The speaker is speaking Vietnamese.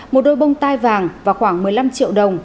một đôi bông tai vàng và khoảng một mươi năm triệu đồng